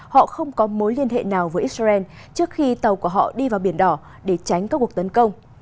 họ không có mối liên hệ nào với israel trước khi tàu của họ đi vào biển đỏ để tránh các cuộc tấn công